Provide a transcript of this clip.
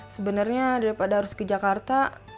sebenarnya daripada harus ke jakarta